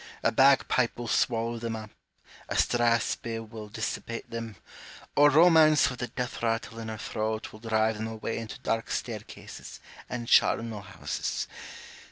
A bagpipe will swallow them up, a strathspey will dissipate them, or Romance with the death rattle in her throat will drive them away into dark staircases and charnel houses.